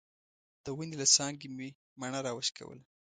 د ونې له څانګې مې مڼه راوشکوله.